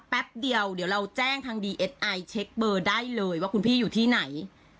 แป๊บเดียวเดี๋ยวเราแจ้งทางดีเอสไอเช็คเบอร์ได้เลยว่าคุณพี่อยู่ที่ไหน